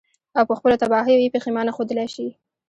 او په خپلو تباهيو ئې پښېمانه ښودلے شي.